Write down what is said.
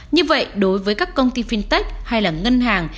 như vậy đối với các công ty fintech hay là ngân hàng